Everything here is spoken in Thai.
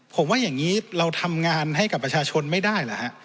ผมว่าอย่างนี้เราทำงานให้กับประชาชนไม่ได้เหรอฮะ